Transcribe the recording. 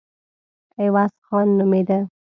عوض خان نومېده.